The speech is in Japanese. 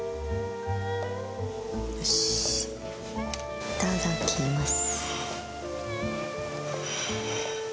よしいただきます。